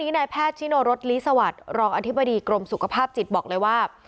นิโนรสลิสวัตรรองอธิบดีกรมสุขภาพจิตบอกเลยว่า